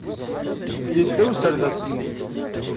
Yedda userdas-nni.